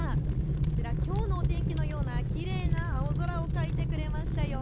こちらきょうのお天気のようなきれいな青空を描いてくれましたよ。